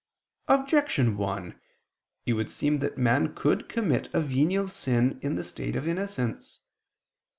Objection 1: It would seem that man could commit a venial sin in the state of innocence.